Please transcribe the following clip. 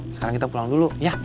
sekarang kita pulang dulu ya